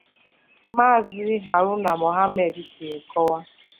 Maazị Harụna Mọhammed siri kọwaa